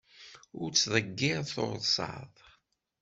Ur ttḍeggir tursaḍ!